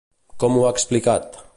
Com ho ha explicat?